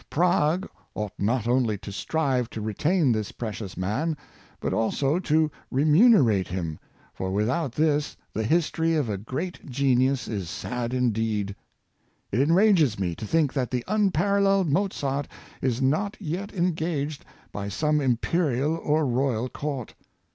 Prague ought not only to strive to re tain this precious man, but also to remunerate him; for Masters and Disciples, 143 without this the history of a great genius is sad indeed. ^^"^ It enrages me to think that the unparalleled Mozart is not yet engaged by some imperial or royal court.